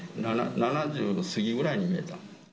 ７０過ぎぐらいに見えた。